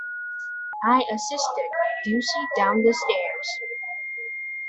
I assisted Gussie down the stairs.